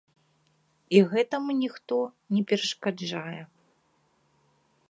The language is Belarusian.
І гэтаму ніхто не перашкаджае.